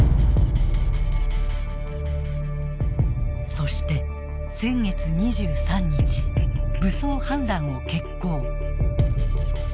そして、先月２３日武装反乱を決行。